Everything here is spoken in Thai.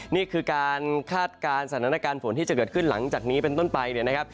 นี่คือการคาดการณ์สถานการณ์ฝนที่จะเกิดขึ้นหลังจากนี้เป็นต้นไปเนี่ยนะครับ